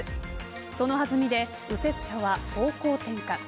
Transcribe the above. その弾みで右折車は方向転換。